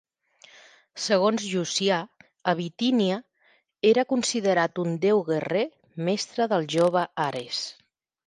Segons Llucià a Bitínia era considerat un déu guerrer, mestre del jove Ares.